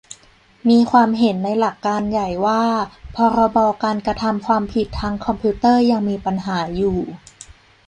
มีความเห็นในหลักการใหญ่ว่า พรบการกระทำความผิดทางคอมพิวเตอร์ยังมีปัญหาอยู่